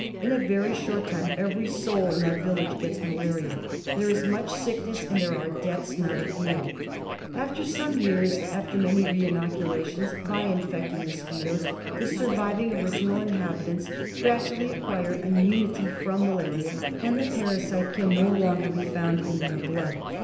In a very short time every soul in that village gets malaria. There is much sickness, and there are deaths not a few. After some years, and after many re inocula tions by infected mosquitoes, the surviving original in habitants gradually acquire immunity from malaria and the j)arasite can no longer be found in their blood.